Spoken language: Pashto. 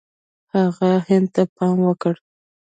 هغه هند ته پام وکړ.